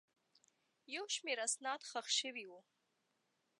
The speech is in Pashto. یو شمېر اسناد ښخ شوي وو.